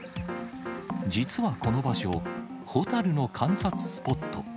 実はこの場所、ホタルの観察スポット。